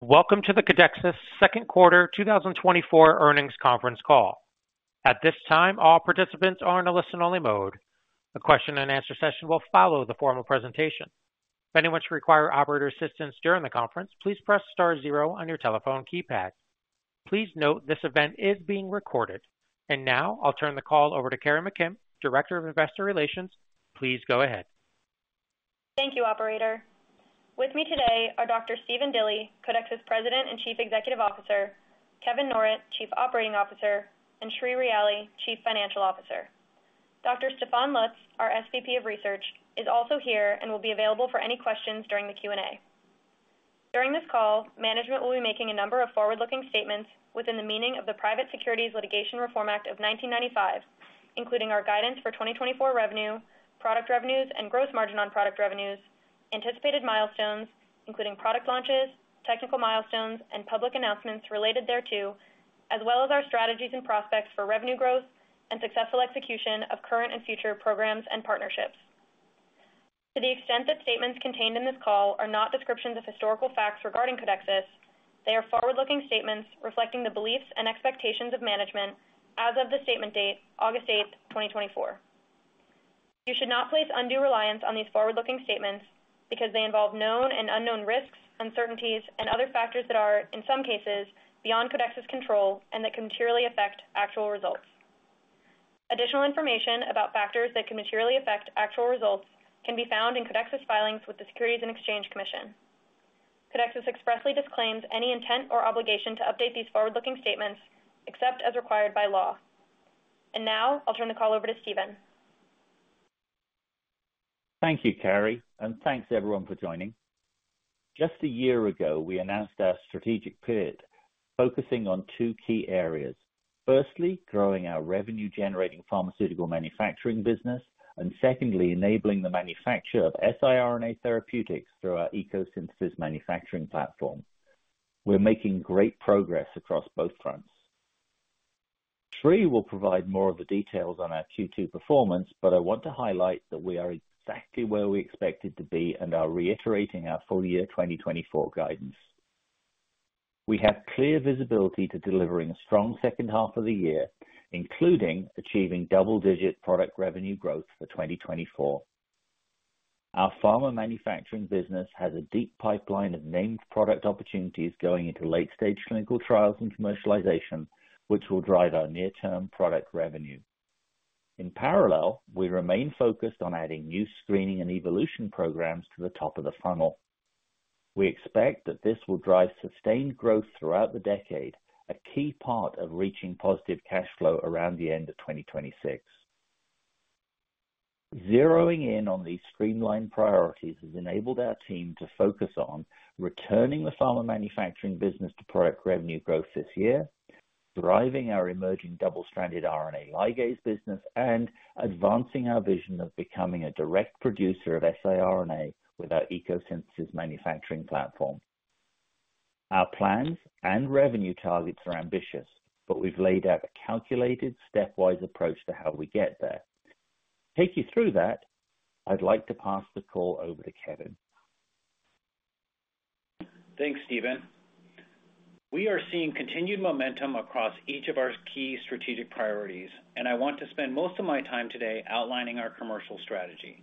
Welcome to the Codexis Second Quarter 2024 Earnings Conference Call. At this time, all participants are in a listen-only mode. A question-and-answer session will follow the formal presentation. If anyone should require operator assistance during the conference, please press star zero on your telephone keypad. Please note this event is being recorded. Now I'll turn the call over to Carrie McKim, Director of Investor Relations. Please go ahead. Thank you, operator. With me today are Dr. Stephen Dilly, Codexis President and Chief Executive Officer, Kevin Norrett, Chief Operating Officer, and Sri Ryali, Chief Financial Officer. Dr. Stefan Lutz, our SVP of Research, is also here and will be available for any questions during the Q&A. During this call, management will be making a number of forward-looking statements within the meaning of the Private Securities Litigation Reform Act of 1995, including our guidance for 2024 revenue, product revenues and gross margin on product revenues, anticipated milestones, including product launches, technical milestones, and public announcements related thereto, as well as our strategies and prospects for revenue growth and successful execution of current and future programs and partnerships. To the extent that statements contained in this call are not descriptions of historical facts regarding Codexis, they are forward-looking statements reflecting the beliefs and expectations of management as of the statement date, August 8, 2024. You should not place undue reliance on these forward-looking statements because they involve known and unknown risks, uncertainties, and other factors that are, in some cases, beyond Codexis control and that can materially affect actual results. Additional information about factors that can materially affect actual results can be found in Codexis' filings with the Securities and Exchange Commission. Codexis expressly disclaims any intent or obligation to update these forward-looking statements except as required by law. And now I'll turn the call over to Stephen. Thank you, Carrie, and thanks everyone for joining. Just a year ago, we announced our strategic period, focusing on two key areas. Firstly, growing our revenue-generating pharmaceutical manufacturing business, and secondly, enabling the manufacture of siRNA therapeutics through our EcoSynthesis manufacturing platform. We're making great progress across both fronts. Sri will provide more of the details on our Q2 performance, but I want to highlight that we are exactly where we expected to be and are reiterating our full year 2024 guidance. We have clear visibility to delivering a strong second half of the year, including achieving double-digit product revenue growth for 2024. Our pharma manufacturing business has a deep pipeline of named product opportunities going into late-stage clinical trials and commercialization, which will drive our near-term product revenue. In parallel, we remain focused on adding new screening and evolution programs to the top of the funnel. We expect that this will drive sustained growth throughout the decade, a key part of reaching positive cash flow around the end of 2026. Zeroing in on these streamlined priorities has enabled our team to focus on returning the pharma manufacturing business to product revenue growth this year, driving our emerging double-stranded RNA ligase business, and advancing our vision of becoming a direct producer of siRNA with our ECO Synthesis manufacturing platform. Our plans and revenue targets are ambitious, but we've laid out a calculated, stepwise approach to how we get there. To take you through that, I'd like to pass the call over to Kevin. Thanks, Stephen. We are seeing continued momentum across each of our key strategic priorities, and I want to spend most of my time today outlining our commercial strategy.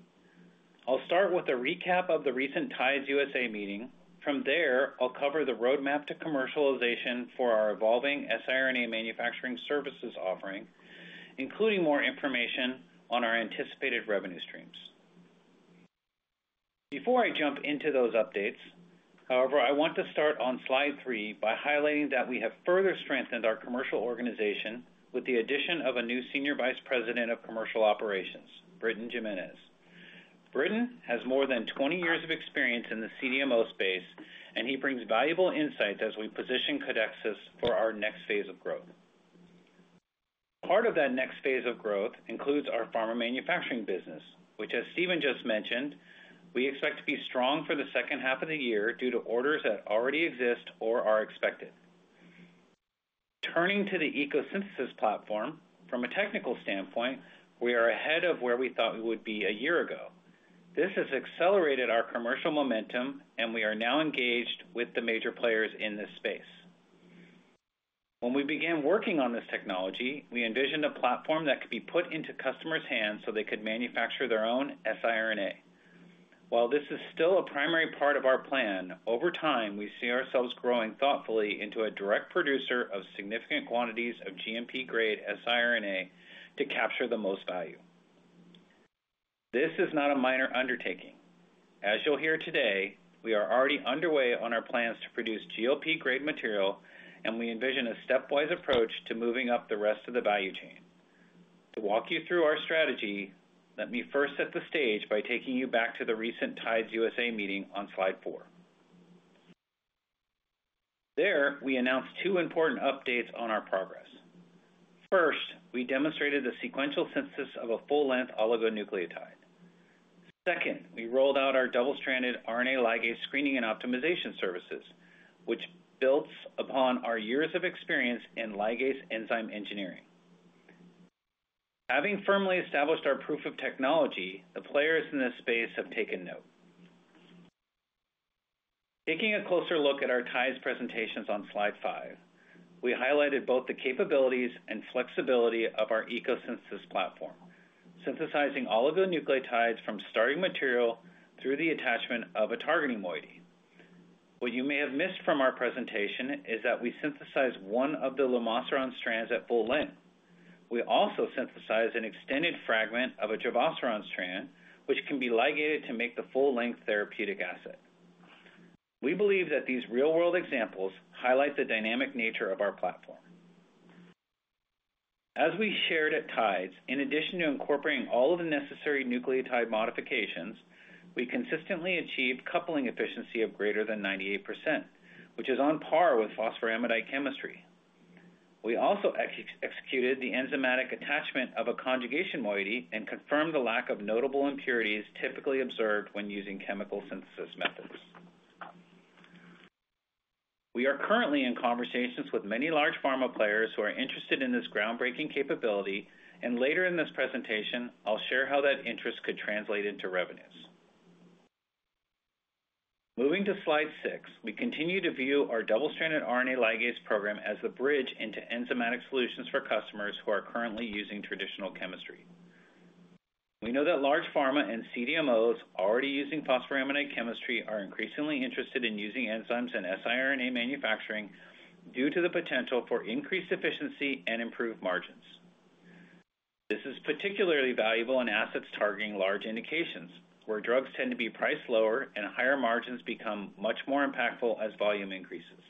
I'll start with a recap of the recent TIDES USA meeting. From there, I'll cover the roadmap to commercialization for our evolving siRNA manufacturing services offering, including more information on our anticipated revenue streams. Before I jump into those updates, however, I want to start on slide three by highlighting that we have further strengthened our commercial organization with the addition of a new Senior Vice President of Commercial Operations, Britton Jimenez. Britton has more than 20 years of experience in the CDMO space, and he brings valuable insight as we position Codexis for our next phase of growth. Part of that next phase of growth includes our pharma manufacturing business, which, as Stephen just mentioned, we expect to be strong for the second half of the year due to orders that already exist or are expected. Turning to the ECO Synthesis platform, from a technical standpoint, we are ahead of where we thought we would be a year ago. This has accelerated our commercial momentum, and we are now engaged with the major players in this space. When we began working on this technology, we envisioned a platform that could be put into customers' hands so they could manufacture their own siRNA. While this is still a primary part of our plan, over time, we see ourselves growing thoughtfully into a direct producer of significant quantities of GMP-grade siRNA to capture the most value. This is not a minor undertaking. As you'll hear today, we are already underway on our plans to produce GLP-grade material, and we envision a stepwise approach to moving up the rest of the value chain. To walk you through our strategy, let me first set the stage by taking you back to the recent TIDES USA meeting on slide four. There, we announced two important updates on our progress. First, we demonstrated the sequential synthesis of a full-length oligonucleotide. Second, we rolled out our double-stranded RNA ligase screening and optimization services, which builds upon our years of experience in ligase enzyme engineering. Having firmly established our proof of technology, the players in this space have taken note. Taking a closer look at our TIDES presentations on slide five, we highlighted both the capabilities and flexibility of our ECO Synthesis platform, synthesizing oligonucleotides from starting material through the attachment of a targeting moiety. What you may have missed from our presentation is that we synthesized one of the lumasiran strands at full length. We also synthesized an extended fragment of a givosiran strand, which can be ligated to make the full-length therapeutic asset. We believe that these real-world examples highlight the dynamic nature of our platform. As we shared at TIDES, in addition to incorporating all of the necessary nucleotide modifications, we consistently achieved coupling efficiency of greater than 98%, which is on par with phosphoramidite chemistry. We also executed the enzymatic attachment of a conjugation moiety and confirmed the lack of notable impurities typically observed when using chemical synthesis methods. We are currently in conversations with many large pharma players who are interested in this groundbreaking capability, and later in this presentation, I'll share how that interest could translate into revenues. Moving to slide 6, we continue to view our double-stranded RNA ligase program as the bridge into enzymatic solutions for customers who are currently using traditional chemistry. We know that large pharma and CDMOs already using phosphoramidite chemistry are increasingly interested in using enzymes in siRNA manufacturing due to the potential for increased efficiency and improved margins. This is particularly valuable in assets targeting large indications, where drugs tend to be priced lower and higher margins become much more impactful as volume increases.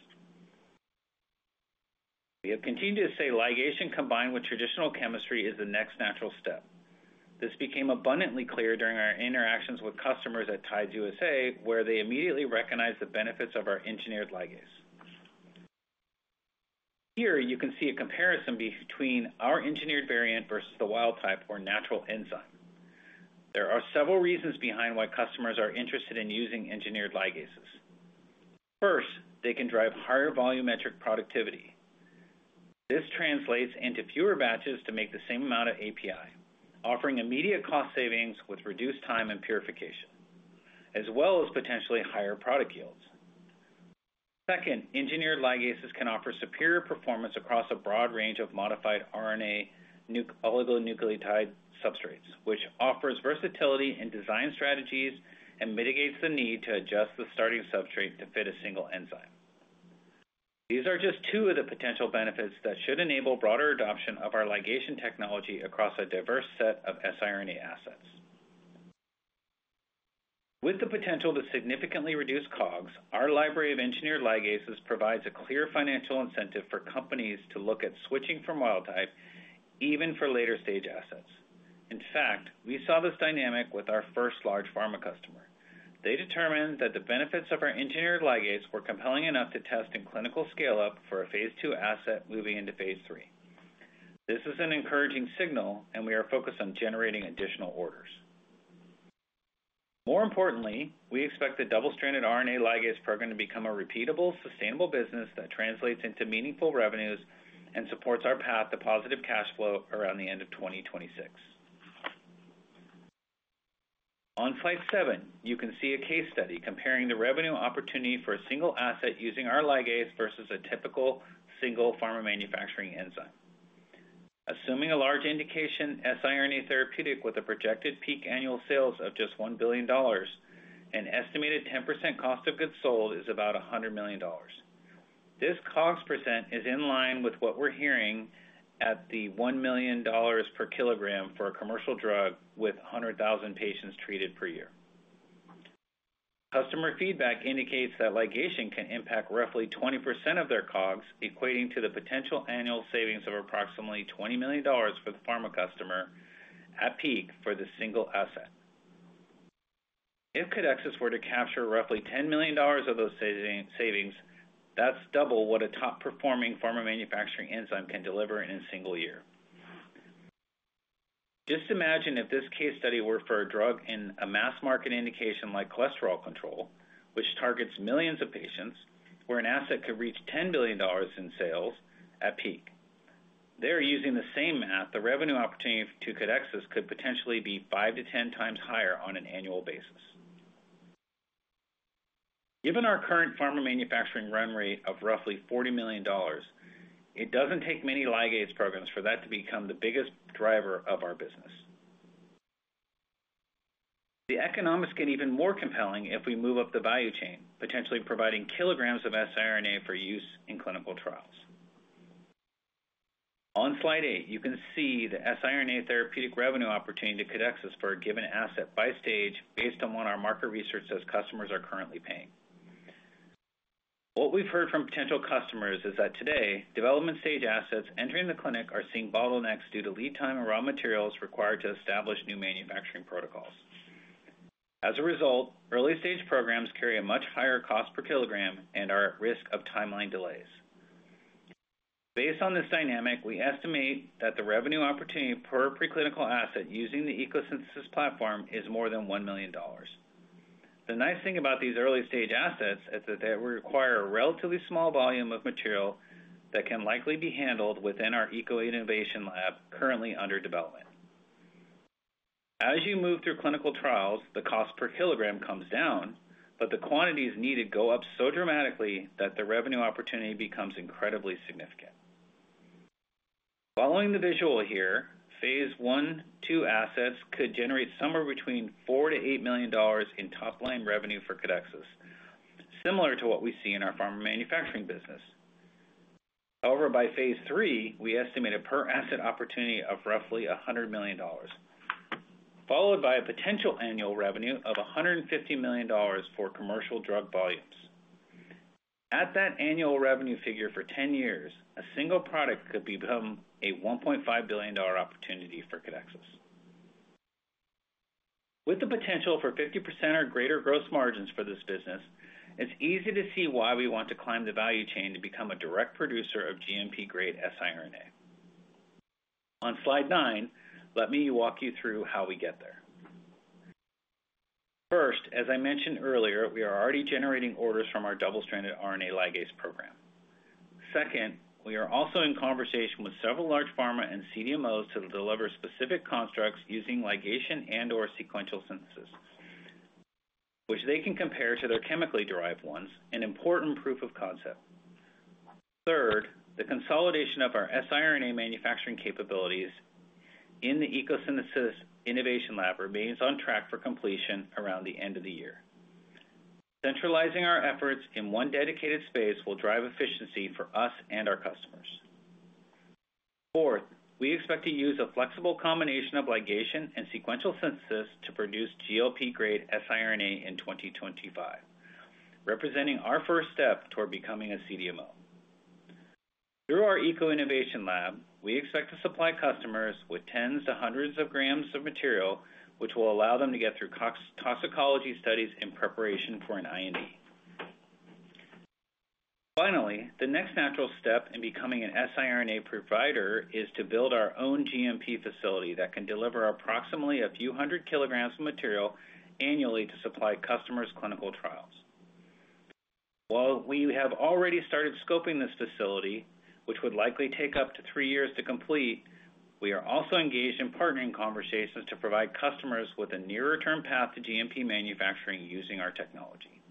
We have continued to say ligation, combined with traditional chemistry, is the next natural step. This became abundantly clear during our interactions with customers at TIDES USA, where they immediately recognized the benefits of our engineered ligase. Here, you can see a comparison between our engineered variant versus the wild type or natural enzyme. There are several reasons behind why customers are interested in using engineered ligases. First, they can drive higher volumetric productivity. This translates into fewer batches to make the same amount of API, offering immediate cost savings with reduced time and purification, as well as potentially higher product yields. Second, engineered ligases can offer superior performance across a broad range of modified RNA oligonucleotide substrates, which offers versatility in design strategies and mitigates the need to adjust the starting substrate to fit a single enzyme. These are just two of the potential benefits that should enable broader adoption of our ligation technology across a diverse set of siRNA assets. With the potential to significantly reduce COGS, our library of engineered ligases provides a clear financial incentive for companies to look at switching from wild type, even for later-stage assets. In fact, we saw this dynamic with our first large pharma customer. They determined that the benefits of our engineered ligase were compelling enough to test in clinical scale-up for a phase II asset moving into phase III. This is an encouraging signal, and we are focused on generating additional orders. More importantly, we expect the double-stranded RNA ligase program to become a repeatable, sustainable business that translates into meaningful revenues and supports our path to positive cash flow around the end of 2026. On slide 7, you can see a case study comparing the revenue opportunity for a single asset using our ligase versus a typical single pharma manufacturing enzyme. Assuming a large indication, siRNA therapeutic with a projected peak annual sales of just $1 billion, an estimated 10% cost of goods sold is about $100 million. This COGS percent is in line with what we're hearing at $1 million per kg for a commercial drug with 100,000 patients treated per year. Customer feedback indicates that ligation can impact roughly 20% of their COGS, equating to the potential annual savings of approximately $20 million for the pharma customer at peak for the single asset. If Codexis were to capture roughly $10 million of those savings, that's double what a top-performing pharma manufacturing enzyme can deliver in a single year. Just imagine if this case study were for a drug in a mass-market indication like cholesterol control, which targets millions of patients, where an asset could reach $10 billion in sales at peak. There, using the same math, the revenue opportunity to Codexis could potentially be 5-10 times higher on an annual basis. Given our current pharma manufacturing run rate of roughly $40 million, it doesn't take many ligase programs for that to become the biggest driver of our business. The economics get even more compelling if we move up the value chain, potentially providing kilograms of siRNA for use in clinical trials. On slide 8, you can see the siRNA therapeutic revenue opportunity to Codexis for a given asset by stage based on what our market research says customers are currently paying. What we've heard from potential customers is that today, development-stage assets entering the clinic are seeing bottlenecks due to lead time and raw materials required to establish new manufacturing protocols. As a result, early-stage programs carry a much higher cost per kilogram and are at risk of timeline delays. Based on this dynamic, we estimate that the revenue opportunity per preclinical asset using the ECO Synthesis platform is more than $1 million. The nice thing about these early-stage assets is that they require a relatively small volume of material that can likely be handled within our ECO Synthesis Innovation Lab, currently under development. As you move through clinical trials, the cost per kilogram comes down, but the quantities needed go up so dramatically that the revenue opportunity becomes incredibly significant. Following the visual here, phase I, II assets could generate somewhere between $4 million-$8 million in top-line revenue for Codexis, similar to what we see in our pharma manufacturing business. However, by phase III, we estimate a per asset opportunity of roughly $100 million, followed by a potential annual revenue of $150 million for commercial drug volumes. At that annual revenue figure for 10 years, a single product could become a $1.5 billion opportunity for Codexis. With the potential for 50% or greater gross margins for this business, it's easy to see why we want to climb the value chain to become a direct producer of GMP-grade siRNA. On slide 9, let me walk you through how we get there. First, as I mentioned earlier, we are already generating orders from our double-stranded RNA ligase program. Second, we are also in conversation with several large pharma and CDMOs to deliver specific constructs using ligation and/or sequential synthesis, which they can compare to their chemically derived ones, an important proof of concept. Third, the consolidation of our siRNA manufacturing capabilities in the ECO Synthesis Innovation Lab remains on track for completion around the end of the year. Centralizing our efforts in one dedicated space will drive efficiency for us and our customers. Fourth, we expect to use a flexible combination of ligation and sequential synthesis to produce GLP-grade siRNA in 2025, representing our first step toward becoming a CDMO. Through our ECO Innovation Lab, we expect to supply customers with tens to hundreds of grams of material, which will allow them to get through nonclinical toxicology studies in preparation for an IND. Finally, the next natural step in becoming an siRNA provider is to build our own GMP facility that can deliver approximately a few hundred kilograms of material annually to supply customers' clinical trials. While we have already started scoping this facility, which would likely take up to three years to complete, we are also engaged in partnering conversations to provide customers with a nearer-term path to GMP manufacturing using our technology.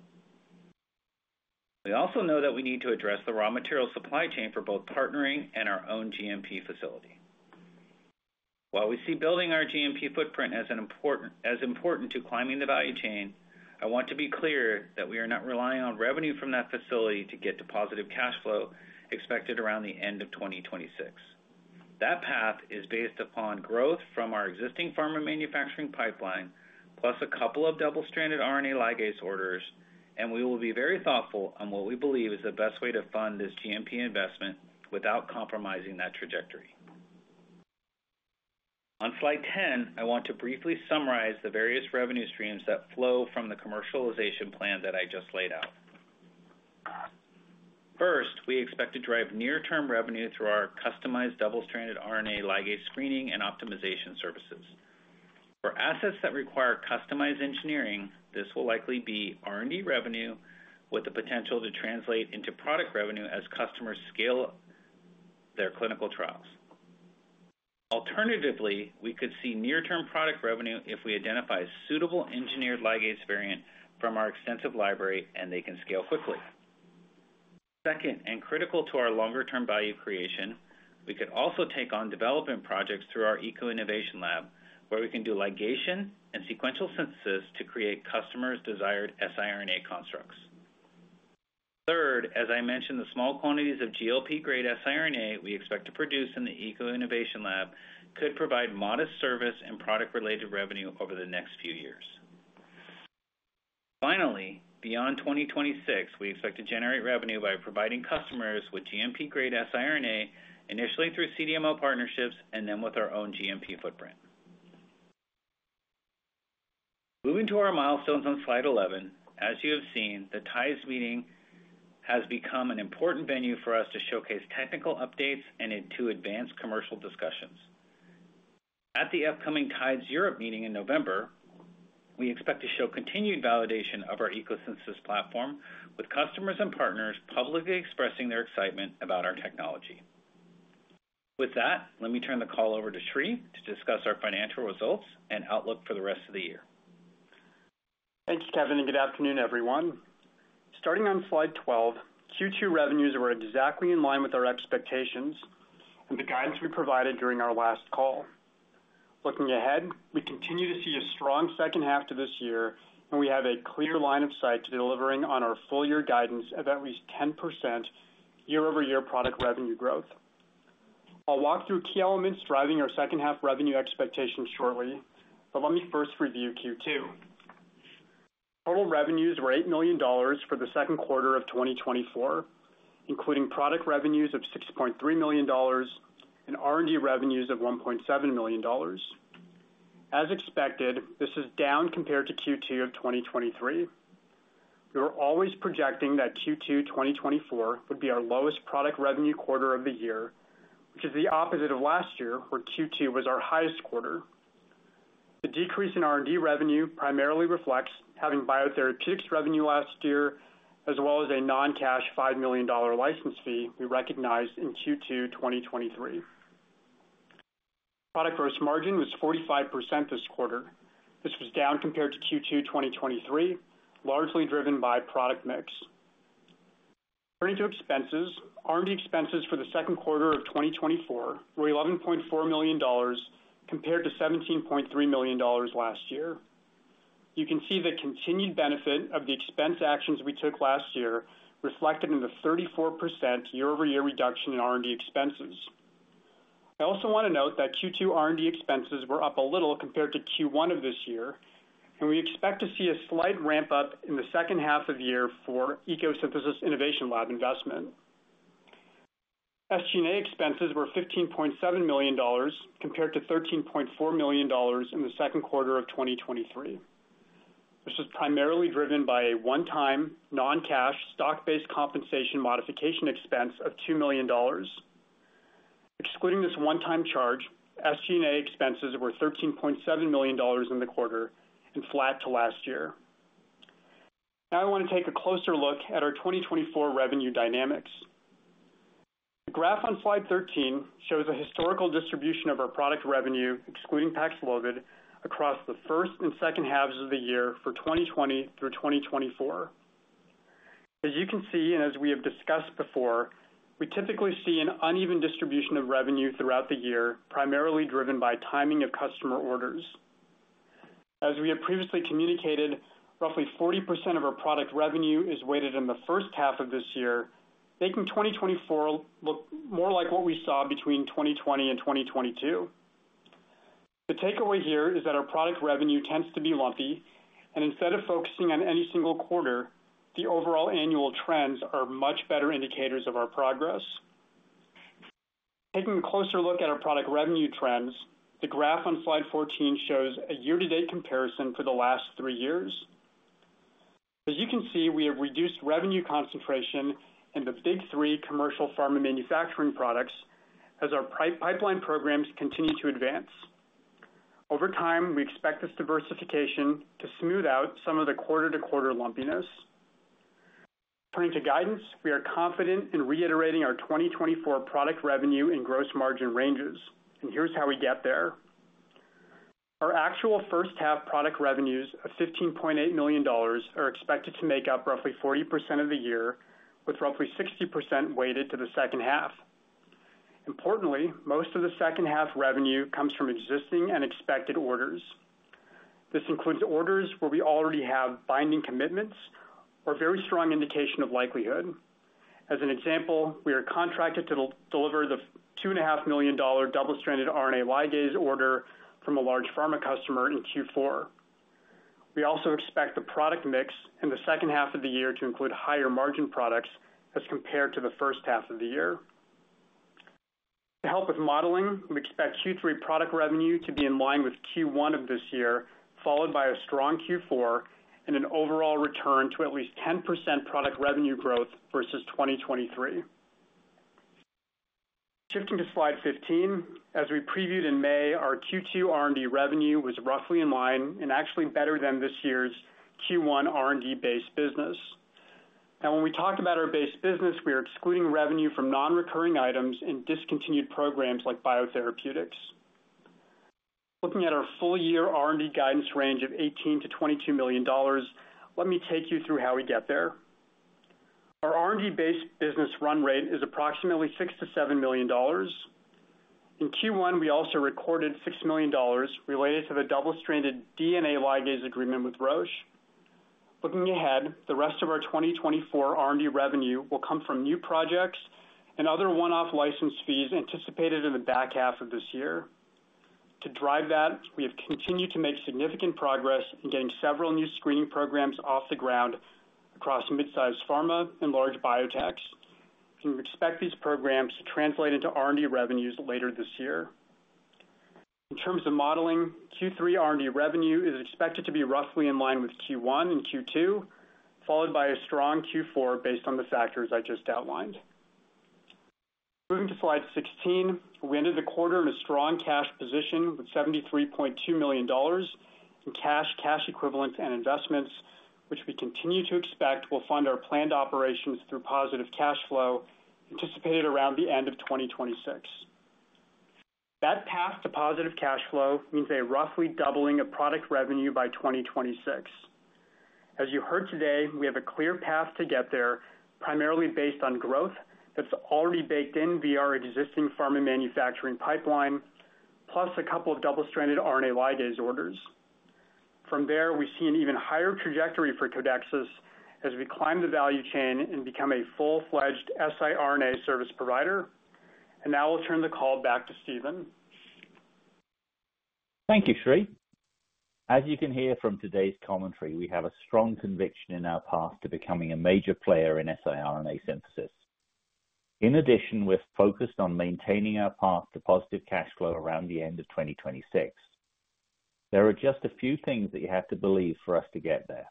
We also know that we need to address the raw material supply chain for both partnering and our own GMP facility. While we see building our GMP footprint as important to climbing the value chain, I want to be clear that we are not relying on revenue from that facility to get to positive cash flow, expected around the end of 2026. That path is based upon growth from our existing pharma manufacturing pipeline, plus a couple of double-stranded RNA ligase orders, and we will be very thoughtful on what we believe is the best way to fund this GMP investment without compromising that trajectory. On slide 10, I want to briefly summarize the various revenue streams that flow from the commercialization plan that I just laid out. First, we expect to drive near-term revenue through our customized double-stranded RNA ligase screening and optimization services. For assets that require customized engineering, this will likely be R&D revenue, with the potential to translate into product revenue as customers scale their clinical trials. Alternatively, we could see near-term product revenue if we identify a suitable engineered ligase variant from our extensive library, and they can scale quickly. Second, and critical to our longer-term value creation, we could also take on development projects through our ECO Innovation Lab, where we can do ligation and sequential synthesis to create customers' desired siRNA constructs. Third, as I mentioned, the small quantities of GLP grade siRNA we expect to produce in the ECO Innovation Lab could provide modest service and product-related revenue over the next few years. Finally, beyond 2026, we expect to generate revenue by providing customers with GMP-grade siRNA, initially through CDMO partnerships and then with our own GMP footprint. Moving to our milestones on slide 11, as you have seen, the TIDES meeting has become an important venue for us to showcase technical updates and to advance commercial discussions. At the upcoming TIDES Europe meeting in November, we expect to show continued validation of our ECO Synthesis platform, with customers and partners publicly expressing their excitement about our technology. With that, let me turn the call over to Sri to discuss our financial results and outlook for the rest of the year. Thanks, Kevin, and good afternoon, everyone. Starting on slide 12, Q2 revenues were exactly in line with our expectations and the guidance we provided during our last call. Looking ahead, we continue to see a strong second half to this year, and we have a clear line of sight to delivering on our full-year guidance of at least 10% year-over-year product revenue growth. I'll walk through key elements driving our second half revenue expectations shortly, but let me first review Q2. Total revenues were $8 million for the second quarter of 2024, including product revenues of $6.3 million and R&D revenues of $1.7 million. As expected, this is down compared to Q2 of 2023. We were always projecting that Q2 2024 would be our lowest product revenue quarter of the year, which is the opposite of last year, where Q2 was our highest quarter. The decrease in R&D revenue primarily reflects having biotherapeutics revenue last year, as well as a non-cash $5 million license fee we recognized in Q2 2023. Product gross margin was 45% this quarter. This was down compared to Q2 2023, largely driven by product mix. Turning to expenses, R&D expenses for the second quarter of 2024 were $11.4 million, compared to $17.3 million last year. You can see the continued benefit of the expense actions we took last year, reflected in the 34% year-over-year reduction in R&D expenses. I also want to note that Q2 R&D expenses were up a little compared to Q1 of this year, and we expect to see a slight ramp up in the second half of the year for ECO Synthesis Innovation Lab investment. SG&A expenses were $15.7 million, compared to $13.4 million in the second quarter of 2023. This was primarily driven by a one-time, non-cash, stock-based compensation modification expense of $2 million. Excluding this one-time charge, SG&A expenses were $13.7 million in the quarter and flat to last year. Now I want to take a closer look at our 2024 revenue dynamics. The graph on slide 13 shows a historical distribution of our product revenue, excluding Paxlovid, across the first and second halves of the year for 2020 through 2024. As you can see, and as we have discussed before, we typically see an uneven distribution of revenue throughout the year, primarily driven by timing of customer orders. As we have previously communicated, roughly 40% of our product revenue is weighted in the first half of this year, making 2024 look more like what we saw between 2020 and 2022. The takeaway here is that our product revenue tends to be lumpy, and instead of focusing on any single quarter, the overall annual trends are much better indicators of our progress. Taking a closer look at our product revenue trends, the graph on slide 14 shows a year-to-date comparison for the last three years. As you can see, we have reduced revenue concentration in the big three commercial pharma manufacturing products as our pipeline programs continue to advance. Over time, we expect this diversification to smooth out some of the quarter-to-quarter lumpiness. Turning to guidance, we are confident in reiterating our 2024 product revenue and gross margin ranges, and here's how we get there. Our actual first half product revenues of $15.8 million are expected to make up roughly 40% of the year, with roughly 60% weighted to the second half. Importantly, most of the second half revenue comes from existing and expected orders. This includes orders where we already have binding commitments or very strong indication of likelihood. As an example, we are contracted to deliver the $2.5 million double-stranded RNA ligase order from a large pharma customer in Q4. We also expect the product mix in the second half of the year to include higher margin products as compared to the first half of the year. To help with modeling, we expect Q3 product revenue to be in line with Q1 of this year, followed by a strong Q4 and an overall return to at least 10% product revenue growth versus 2023. Shifting to slide 15, as we previewed in May, our Q2 R&D revenue was roughly in line and actually better than this year's Q1 R&D base business. Now, when we talked about our base business, we are excluding revenue from non-recurring items and discontinued programs like biotherapeutics. Looking at our full year R&D guidance range of $18 million-$22 million, let me take you through how we get there. Our R&D base business run rate is approximately $6 million-$7 million. In Q1, we also recorded $6 million related to the double-stranded DNA ligase agreement with Roche. Looking ahead, the rest of our 2024 R&D revenue will come from new projects and other one-off license fees anticipated in the back half of this year. To drive that, we have continued to make significant progress in getting several new screening programs off the ground across mid-sized pharma and large biotechs, and we expect these programs to translate into R&D revenues later this year. In terms of modeling, Q3 R&D revenue is expected to be roughly in line with Q1 and Q2, followed by a strong Q4 based on the factors I just outlined. Moving to slide 16, we ended the quarter in a strong cash position with $73.2 million in cash, cash equivalents, and investments, which we continue to expect will fund our planned operations through positive cash flow, anticipated around the end of 2026. That path to positive cash flow means a roughly doubling of product revenue by 2026. As you heard today, we have a clear path to get there, primarily based on growth that's already baked in via our existing pharma manufacturing pipeline, plus a couple of double-stranded RNA ligase orders. From there, we see an even higher trajectory for Codexis as we climb the value chain and become a full-fledged siRNA service provider. Now I'll turn the call back to Stephen. Thank you, Sri. As you can hear from today's commentary, we have a strong conviction in our path to becoming a major player in siRNA synthesis. In addition, we're focused on maintaining our path to positive cash flow around the end of 2026. There are just a few things that you have to believe for us to get there.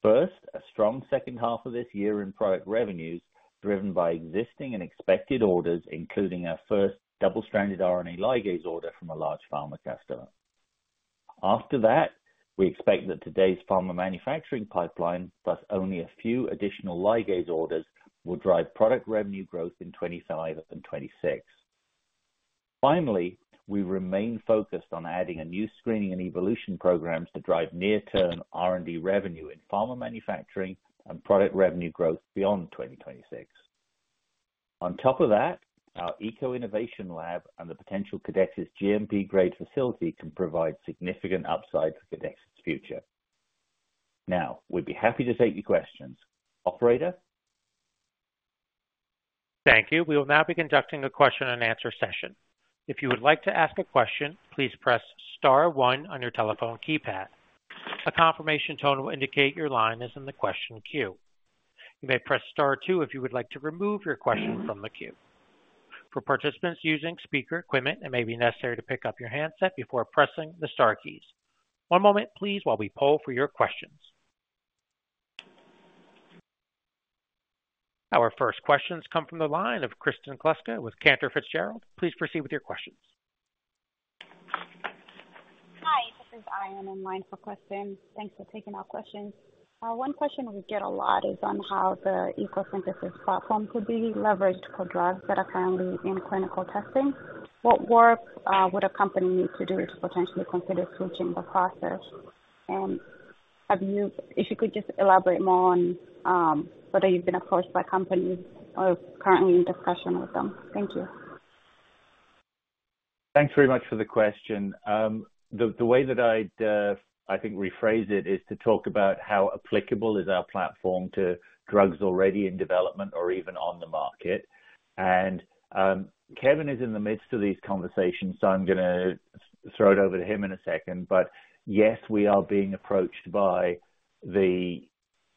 First, a strong second half of this year in product revenues, driven by existing and expected orders, including our first double-stranded RNA ligase order from a large pharma customer. After that, we expect that today's pharma manufacturing pipeline, plus only a few additional ligase orders, will drive product revenue growth in 2025 and 2026. Finally, we remain focused on adding a new screening and evolution programs to drive near-term R&D revenue in pharma manufacturing and product revenue growth beyond 2026. On top of that, our ECO Innovation Lab and the potential Codexis GMP-grade facility can provide significant upside for Codexis' future. Now, we'd be happy to take your questions. Operator? Thank you. We will now be conducting a question-and-answer session. If you would like to ask a question, please press star one on your telephone keypad. A confirmation tone will indicate your line is in the question queue. You may press star two if you would like to remove your question from the queue. For participants using speaker equipment, it may be necessary to pick up your handset before pressing the star keys. One moment, please, while we poll for your questions. Our first questions come from the line of Kristen Kluska with Cantor Fitzgerald. Please proceed with your questions. Hi, this is I on the line for questions. Thanks for taking our questions. One question we get a lot is on how the ECO Synthesis platform could be leveraged for drugs that are currently in clinical testing. What work would a company need to do to potentially consider switching the process? And have you, if you could just elaborate more on whether you've been approached by companies or currently in discussion with them. Thank you. Thanks very much for the question. The way that I'd, I think, rephrase it, is to talk about how applicable is our platform to drugs already in development or even on the market. And, Kevin is in the midst of these conversations, so I'm gonna throw it over to him in a second. But yes, we are being approached by the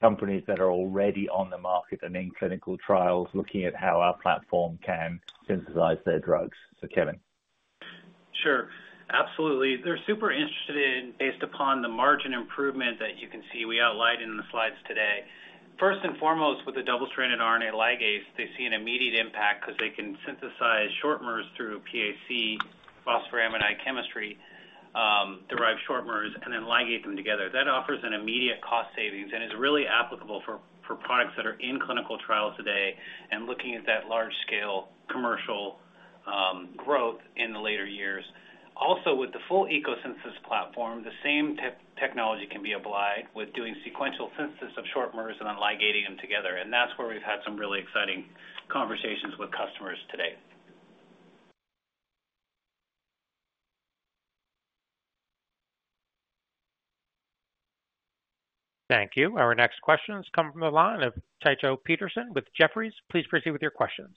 companies that are already on the market and in clinical trials, looking at how our platform can synthesize their drugs. So, Kevin? Sure. Absolutely. They're super interested in, based upon the margin improvement that you can see, we outlined in the slides today. First and foremost, with the double-stranded RNA ligase, they see an immediate impact because they can synthesize shortmers through PAC, phosphoramidite chemistry, derive shortmers and then ligate them together. That offers an immediate cost savings and is really applicable for products that are in clinical trials today and looking at that large-scale commercial growth in the later years. Also, with the full ECO Synthesis platform, the same technology can be applied with doing sequential synthesis of shortmers and then ligating them together, and that's where we've had some really exciting conversations with customers to date. Thank you. Our next questions come from the line of Tycho Peterson with Jefferies. Please proceed with your questions.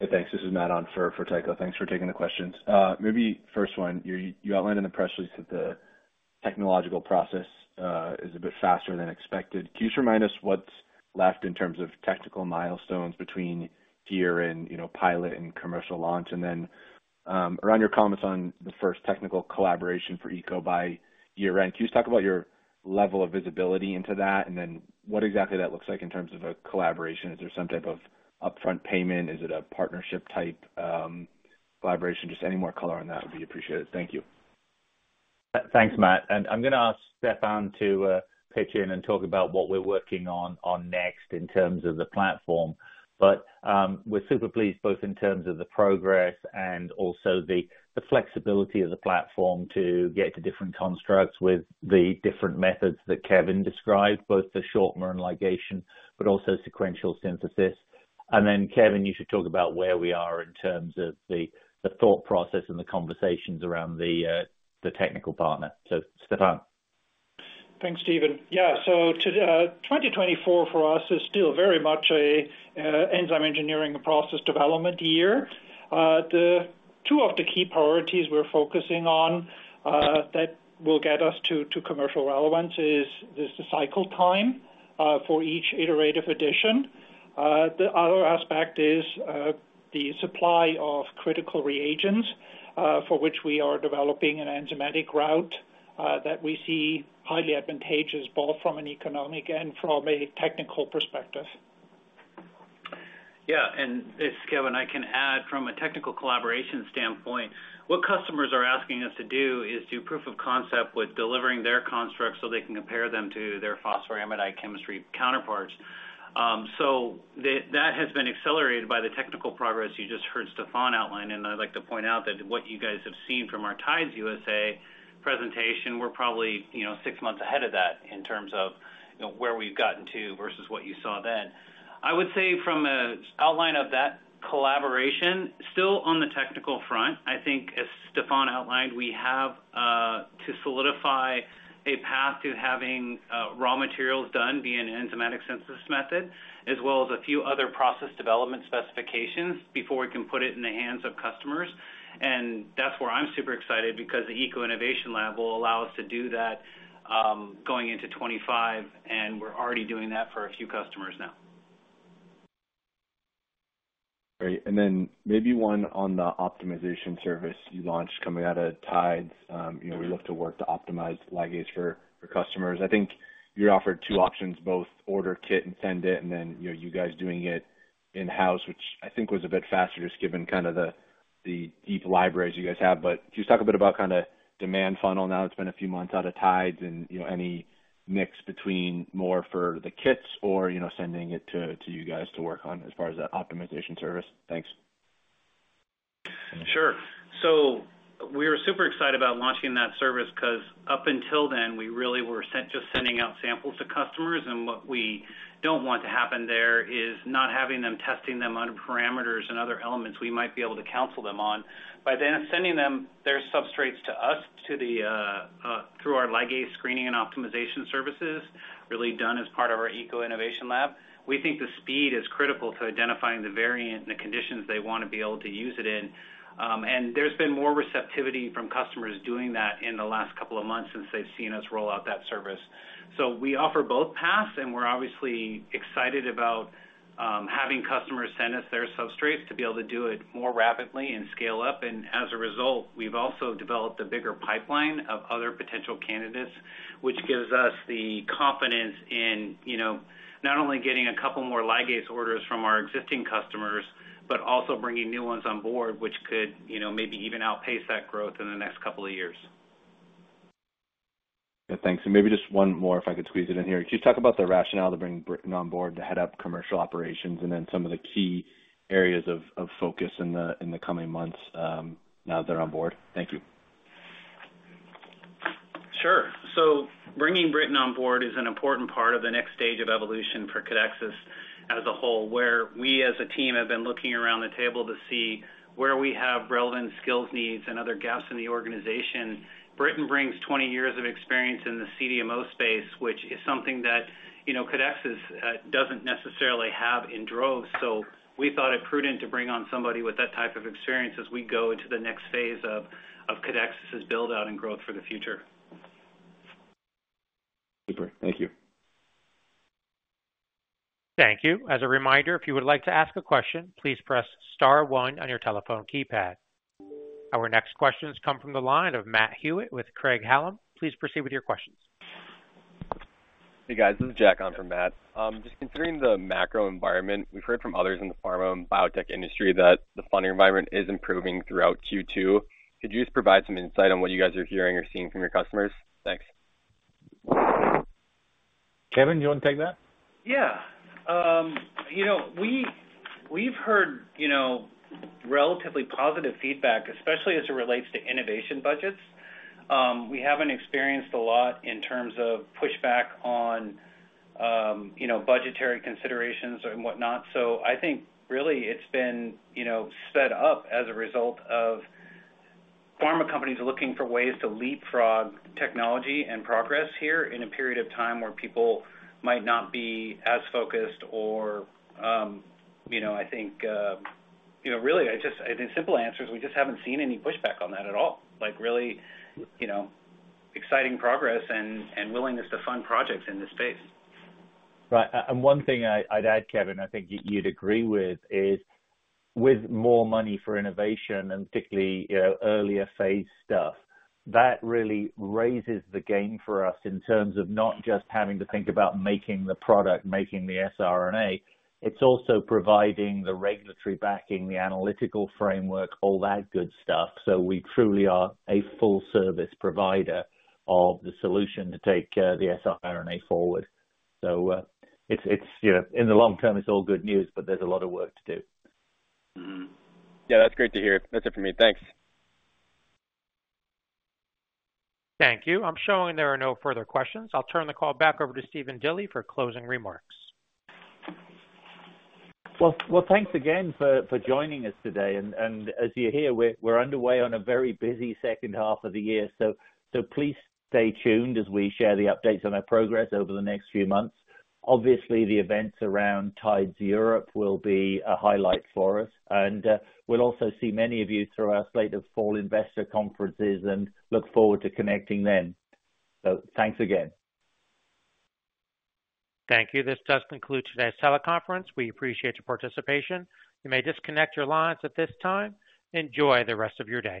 Hey, thanks. This is Matt on for Tycho. Thanks for taking the questions. Maybe first one, you outlined in the press release that the technological process is a bit faster than expected. Can you just remind us what's left in terms of technical milestones between here and, you know, pilot and commercial launch? And then, around your comments on the first technical collaboration for ECO by year-end, can you just talk about your level of visibility into that, and then what exactly that looks like in terms of a collaboration? Is there some type of upfront payment? Is it a partnership type collaboration? Just any more color on that would be appreciated. Thank you. Thanks, Matt. I'm gonna ask Stefan to pitch in and talk about what we're working on next in terms of the platform. But we're super pleased, both in terms of the progress and also the flexibility of the platform to get to different constructs with the different methods that Kevin described, both the shortmer and ligation, but also sequential synthesis. Then, Kevin, you should talk about where we are in terms of the thought process and the conversations around the technical partner. So, Stefan. Thanks, Stephen. Yeah, so 2024 for us is still very much a enzyme engineering and process development year. The two of the key priorities we're focusing on that will get us to commercial relevance is the cycle time for each iterative addition. The other aspect is the supply of critical reagents for which we are developing an enzymatic route that we see highly advantageous, both from an economic and from a technical perspective. Yeah, and it's Kevin. I can add from a technical collaboration standpoint, what customers are asking us to do is do proof of concept with delivering their constructs, so they can compare them to their phosphoramidite chemistry counterparts. So that has been accelerated by the technical progress you just heard Stefan outline, and I'd like to point out that what you guys have seen from our TIDES USA presentation, we're probably, you know, six months ahead of that in terms of, you know, where we've gotten to versus what you saw then. I would say from an outline of that collaboration, still on the technical front, I think as Stefan outlined, we have to solidify a path to having raw materials done via an enzymatic synthesis method, as well as a few other process development specifications before we can put it in the hands of customers. That's where I'm super excited because the ECO Innovation Lab will allow us to do that, going into 2025, and we're already doing that for a few customers now. ... Great. And then maybe one on the optimization service you launched coming out of TIDES. You know, we look to work to optimize ligase for customers. I think you offered two options, both order kit and send it, and then, you know, you guys doing it in-house, which I think was a bit faster, just given kind of the deep libraries you guys have. But could you talk a bit about kind of demand funnel now that it's been a few months out of TIDES and, you know, any mix between more for the kits or, you know, sending it to you guys to work on as far as that optimization service? Thanks. Sure. So we were super excited about launching that service, 'cause up until then, we really were just sending out samples to customers, and what we don't want to happen there is not having them testing them on parameters and other elements we might be able to counsel them on. By them sending their substrates to us through our ligase screening and optimization services, really done as part of our ECO Innovation Lab, we think the speed is critical to identifying the variant and the conditions they want to be able to use it in. And there's been more receptivity from customers doing that in the last couple of months since they've seen us roll out that service. So we offer both paths, and we're obviously excited about having customers send us their substrates to be able to do it more rapidly and scale up, and as a result, we've also developed a bigger pipeline of other potential candidates, which gives us the confidence in, you know, not only getting a couple more ligase orders from our existing customers, but also bringing new ones on board, which could, you know, maybe even outpace that growth in the next couple of years. Yeah, thanks. And maybe just one more, if I could squeeze it in here. Could you talk about the rationale to bring Britton on board to head up commercial operations and then some of the key areas of focus in the coming months, now that they're on board? Thank you. Sure. So bringing Britton on board is an important part of the next stage of evolution for Codexis as a whole, where we, as a team, have been looking around the table to see where we have relevant skills needs and other gaps in the organization. Britton brings 20 years of experience in the CDMO space, which is something that, you know, Codexis doesn't necessarily have in droves. So we thought it prudent to bring on somebody with that type of experience as we go into the next phase of Codexis's build-out and growth for the future. Super. Thank you. Thank you. As a reminder, if you would like to ask a question, please press star one on your telephone keypad. Our next questions come from the line of Matt Hewitt with Craig-Hallum. Please proceed with your questions. Hey, guys. This is Jack on for Matt. Just considering the macro environment, we've heard from others in the pharma and biotech industry that the funding environment is improving throughout Q2. Could you just provide some insight on what you guys are hearing or seeing from your customers? Thanks. Kevin, you want to take that? Yeah. You know, we, we've heard, you know, relatively positive feedback, especially as it relates to innovation budgets. We haven't experienced a lot in terms of pushback on, you know, budgetary considerations and whatnot. So I think really it's been, you know, sped up as a result of pharma companies looking for ways to leapfrog technology and progress here in a period of time where people might not be as focused or, you know, I think, you know, really, I just... I think the simple answer is we just haven't seen any pushback on that at all. Like, really, you know, exciting progress and, and willingness to fund projects in this space. Right. And one thing I'd add, Kevin, I think you'd agree with, is with more money for innovation, and particularly, you know, earlier phase stuff, that really raises the game for us in terms of not just having to think about making the product, making the siRNA. It's also providing the regulatory backing, the analytical framework, all that good stuff, so we truly are a full service provider of the solution to take the siRNA forward. So, it's, you know, in the long term, it's all good news, but there's a lot of work to do. Mm-hmm. Yeah, that's great to hear. That's it for me. Thanks. Thank you. I'm showing there are no further questions. I'll turn the call back over to Stephen Dilly for closing remarks. Well, thanks again for joining us today. As you hear, we're underway on a very busy second half of the year. Please stay tuned as we share the updates on our progress over the next few months. Obviously, the events around TIDES Europe will be a highlight for us, and we'll also see many of you through our slate of fall investor conferences, and look forward to connecting then. Thanks again. Thank you. This does conclude today's teleconference. We appreciate your participation. You may disconnect your lines at this time. Enjoy the rest of your day.